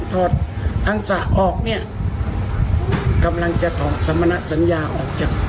ถอดอังสะออกเนี่ยกำลังจะถอดสมณสัญญาออกจาก